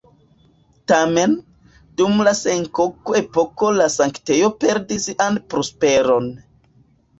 Tamen, dum la Sengoku-epoko la sanktejo perdis sian prosperon.